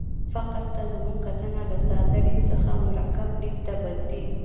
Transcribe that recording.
فقر ته زموږ کتنه له ساده لید څخه مرکب لید ته بدلېږي.